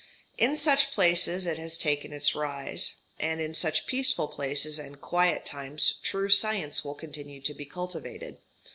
In such places it has taken its rise, and in such peaceful places and quiet times true science will continue to be cultivated.